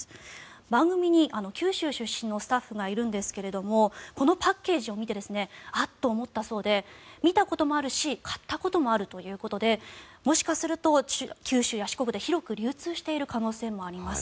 番組に九州出身のスタッフがいるんですがこのパッケージを見てアッと思ったそうで見たこともあるし買ったこともあるということでもしかすると九州や四国で広く流通している可能性もあります。